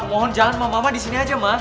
ma mohon jangan ma mama di sini aja ma